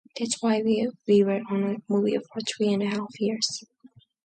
That's why we were on the movie for three and a half years.